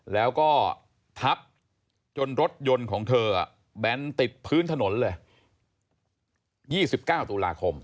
แล้วก็ทับจนรถยนต์ของเธอแบนติดพื้นถนนเลย๒๙ตุลาคม